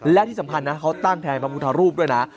และที่สำคัญนะเขาตั้งแทนพระพุทธรูปด้วยนะ